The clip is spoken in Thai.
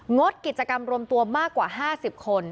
งดกิจกรรมรวมตัวมากกว่า๕๐คน